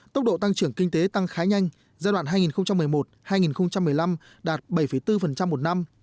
tốc độ tăng trưởng kinh tế tăng khá nhanh giai đoạn hai nghìn một mươi một hai nghìn một mươi năm đạt bảy bốn một năm